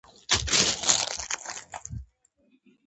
هرات د افغانستان د چاپیریال د مدیریت لپاره مهم دي.